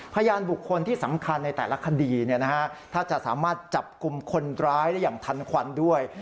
พยานบุคคลที่สำคัญในแต่ละคดีถ้าจะสามารถจับกลุ่มคนร้ายได้อย่างทันควันด้วย